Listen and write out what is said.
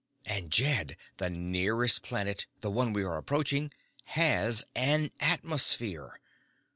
And Jed, the nearest planet, the one we are approaching, has an atmosphere.